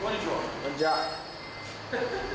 こんにちは。